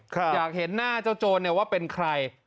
อยากเห็นหน้าเจ้าโจรเนี่ยว่าเป็นใคร